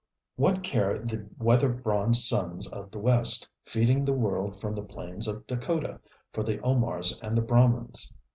What care the weather bronzed sons of the West, feeding the world from the plains of Dakota, for the Omars and the Brahmins?